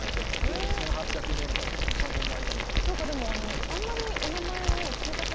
全員１８００年代の２３年の間に。